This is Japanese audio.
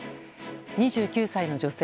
２９歳の女性。